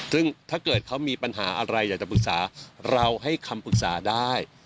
ซึ่งถ้าเกิดเขามีปัญหาอะไรอยากจะปรึกษาเราให้คำปรึกษาได้